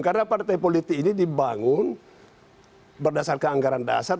karena partai politik ini dibangun berdasarkan anggaran dasar